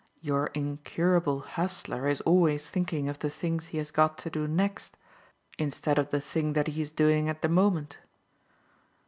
Your incurable hustler is always thinking of the things he has got to do next instead of the thing that he is doing at the moment.